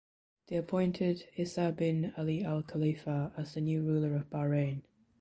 They appointed Isa bin Ali Al Khalifa as the new ruler of Bahrain.